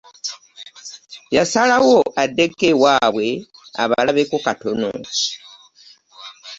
Yasalawo addeko ewaabwe abalabeko katono.